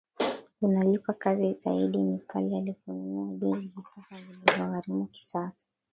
unalipa Kali zaidi ni pale aliponunua jozi mbili za viatu vya kisasa vilivyomgharimu kiasi